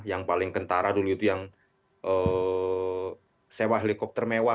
lalu yang paling kentara dulu yang sewa helikopter mewah